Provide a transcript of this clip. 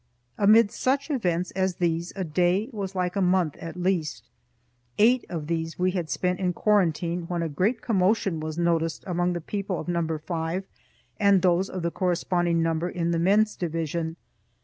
Amid such events as these a day was like a month at least. Eight of these we had spent in quarantine when a great commotion was noticed among the people of Number Five and those of the corresponding number in the men's division.